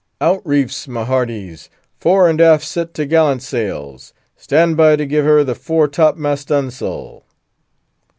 "Out reefs, my hearties; fore and aft set t' gallant sails! stand by to give her the fore top mast stun' sail!"